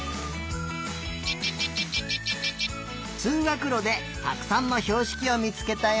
つうがくろでたくさんのひょうしきをみつけたよ。